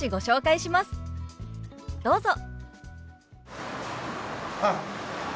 どうぞ。